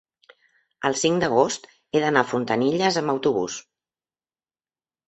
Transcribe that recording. el cinc d'agost he d'anar a Fontanilles amb autobús.